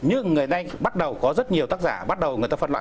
nhưng người nay bắt đầu có rất nhiều tác giả bắt đầu người ta phân loại